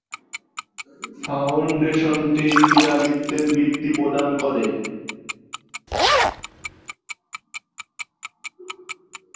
ফাউন্ডেশনটি ক্রীড়াবিদদের বৃত্তি প্রদান করে।